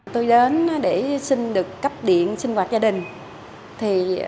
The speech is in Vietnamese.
tôi đến để xin được cấp điện sinh hoạt gia đình